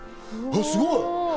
すごい！